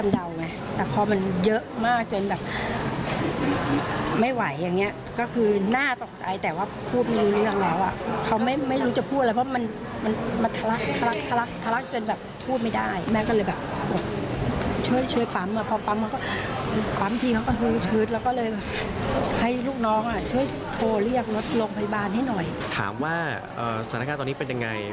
ถามว่าสถานการณ์ตอนนี้เป็นยังไง